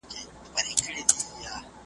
تل یې فکر د کالیو د سیالۍ وو .